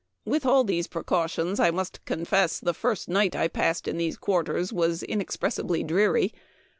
" With all these precautions, I must confess the first night I passed in these quarters was inexpressibly dreary.